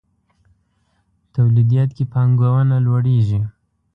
توليديت کې پانګونه لوړېږي.